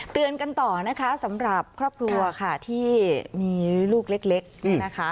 เตือนกันต่อนะคะสำหรับครอบครัวค่ะที่มีลูกเล็กเนี่ยนะคะ